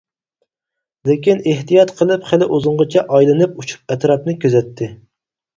لېكىن ئېھتىيات قىلىپ خېلى ئۇزۇنغىچە ئايلىنىپ ئۇچۇپ ئەتراپنى كۆزەتتى.